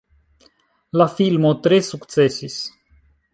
La filmo tre sukcesis.